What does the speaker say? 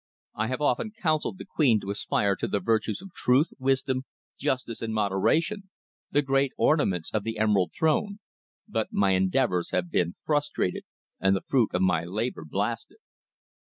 I have often counselled the queen to aspire to the virtues of truth, wisdom, justice and moderation, the great ornaments of the Emerald Throne, but my endeavours have been frustrated and the fruit of my labour blasted."